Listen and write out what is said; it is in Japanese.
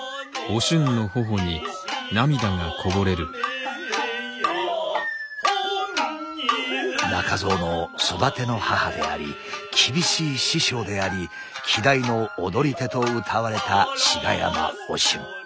石亀や中蔵の育ての母であり厳しい師匠であり希代の踊り手とうたわれた志賀山お俊。